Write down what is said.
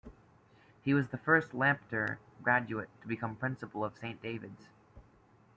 He was the first Lampeter graduate to become Principal of Saint David's.